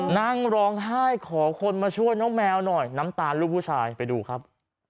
นั่งร้องไห้ขอคนมาช่วยน้องแมวหน่อยน้ำตาลลูกผู้ชายไปดูครับ